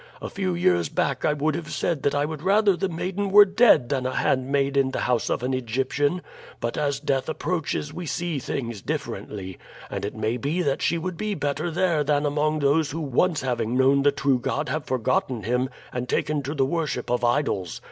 A few years back I would have said that I would rather the maiden were dead than a handmaid in the house of an Egyptian; but as death approaches we see things differently, and it may be that she would be better there than among those who once having known the true God have forgotten him and taken to the worship of idols.